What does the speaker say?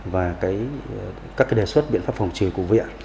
và các đề xuất biện pháp phòng trừ của viện